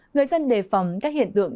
người dân đề phòng các hiện tượng